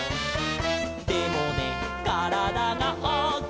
「でもねからだがおおきいので」